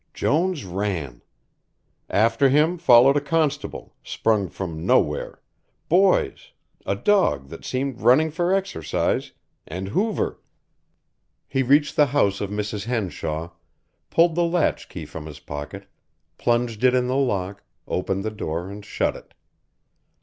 Jones ran. After him followed a constable, sprung from nowhere, boys, a dog that seemed running for exercise, and Hoover. He reached the house of Mrs. Henshaw, pulled the latch key from his pocket, plunged it in the lock, opened the door and shut it.